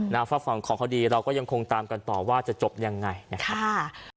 นาภาษาฝั่งของเขาดีเราก็ยังคงตามกันต่อว่าจะจบอย่างไร